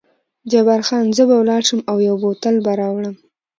جبار خان: زه به ولاړ شم او یو بوتل به راوړم.